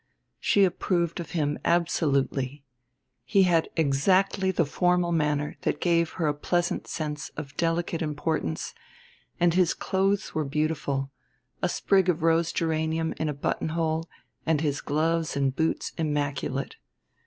She approved of him absolutely. He had exactly the formal manner that gave her a pleasant sense of delicate importance, and his clothes were beautiful, a sprig of rose geranium in a buttonhole and his gloves and boots immaculate.